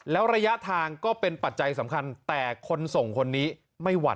แล้วระยะทางก็เป็นปัจจัยสำคัญแต่คนส่งคนนี้ไม่ไหว